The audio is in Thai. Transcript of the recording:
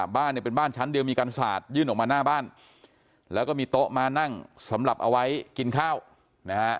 บ้านเนี่ยเป็นบ้านชั้นเดียวมีกันสาดยื่นออกมาหน้าบ้านแล้วก็มีโต๊ะมานั่งสำหรับเอาไว้กินข้าวนะฮะ